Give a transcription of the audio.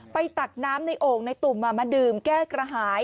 ตักน้ำในโอ่งในตุ่มมาดื่มแก้กระหาย